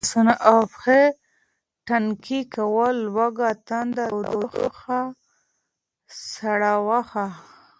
لاسونه او پښې تڼاکې کول، لوږه تنده، تودوخه، سړوښه،